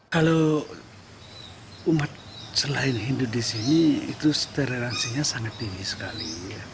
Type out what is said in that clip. kalau umat selain hindu di sini itu toleransinya sangat tinggi sekali